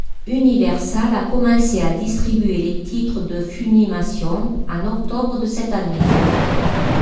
Universal a commencé à distribuer les titres de Funimation en octobre de cette année.